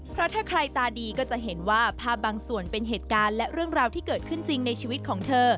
เพราะถ้าใครตาดีก็จะเห็นว่าภาพบางส่วนเป็นเหตุการณ์และเรื่องราวที่เกิดขึ้นจริงในชีวิตของเธอ